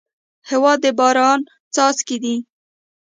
هېواد د باران څاڅکی دی.